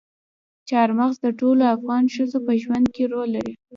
چار مغز د ټولو افغان ښځو په ژوند کې رول لري.